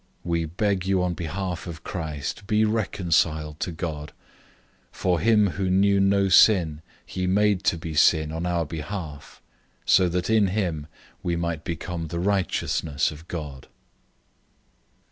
We beg you on behalf of Christ, be reconciled to God. 005:021 For him who knew no sin he made to be sin on our behalf; so that in him we might become the righteousness of God.